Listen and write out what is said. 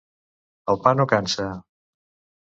El pa no cansa.